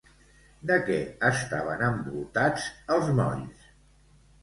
De què estaven envoltats els molls?